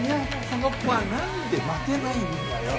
この子はなんで待てないんだよ。